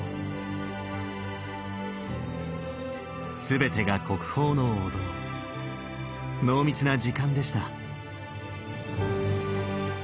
全てが国宝のお堂濃密な時間でした。